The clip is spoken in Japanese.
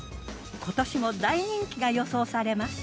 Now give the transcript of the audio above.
今年も大人気が予想されます。